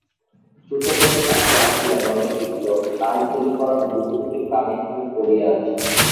দ্রুতপদে কাছে আসিয়া রমেশ দেখিল, লাল-চেলি পরা নববধূটি প্রাণহীনভাবে পড়িয়া আছে।